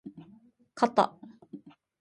かた